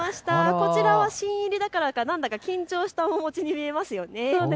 こちらは新入りだからなのか緊張した面持ちに見えますね。